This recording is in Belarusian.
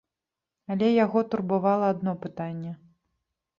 Але яго турбавала адно пытанне.